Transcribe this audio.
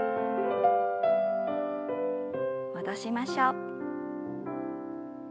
戻しましょう。